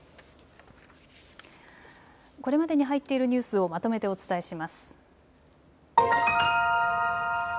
これまでに入っているニュースをまとめてお伝えします。